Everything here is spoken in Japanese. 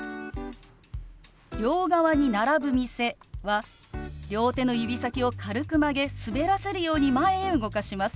「両側に並ぶ店」は両手の指先を軽く曲げ滑らせるように前へ動かします。